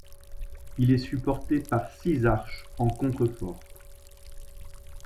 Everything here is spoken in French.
Il est supporté par six arches en contrefort.